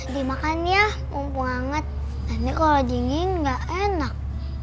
dimakan ya mumpung anget nanti kalau dingin gak enak